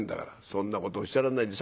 「そんなことおっしゃらないで。